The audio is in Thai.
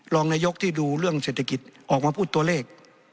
รองนายกที่ดูเรื่องเศรษฐกิจออกมาพูดตัวเลข